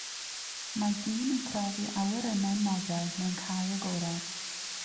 Mae dyn yn profi awyrennau model mewn cae agored.